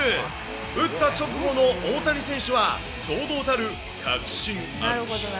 打った直後の大谷選手は、堂々たる確信歩き。